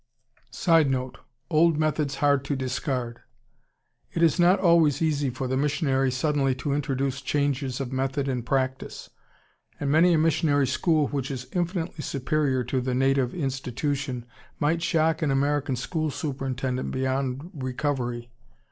[Sidenote: Old methods hard to discard.] It is not always easy for the missionary suddenly to introduce changes of method and practice, and many a missionary school which is infinitely superior to the native institution might shock an American school superintendent beyond recovery.